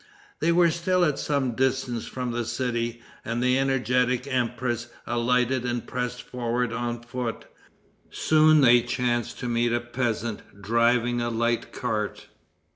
They were still at some distance from the city, and the energetic empress alighted and pressed forward on foot. Soon they chanced to meet a peasant, driving a light cart.